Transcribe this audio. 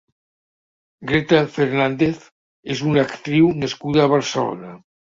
Greta Fernández és una actriu nascuda a Barcelona.